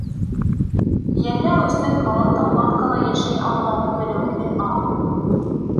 — Йәлләү өсөн балыҡтың банкала йәшәй алмауын белеү генә аҙ.